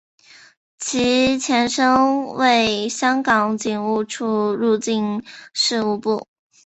其前身为香港警务处入境事务部。